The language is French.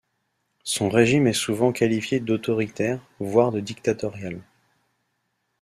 Son régime est souvent qualifié d'autoritaire, voire de dictatorial.